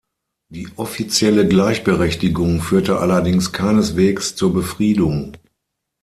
Die offizielle Gleichberechtigung führte allerdings keineswegs zur Befriedung.